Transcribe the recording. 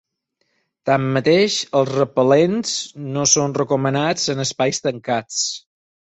Tanmateix, els repel·lents no són recomanats en espais tancats.